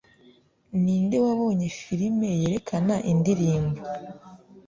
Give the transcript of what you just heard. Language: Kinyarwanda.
Ninde wabonye Filime Yerekana Indirimbo?